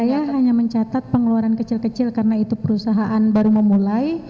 saya hanya mencatat pengeluaran kecil kecil karena itu perusahaan baru memulai